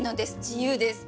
自由です。